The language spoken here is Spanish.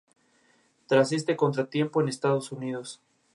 Se ha sugerido que el animal tenía una temperatura interna más o menos constante.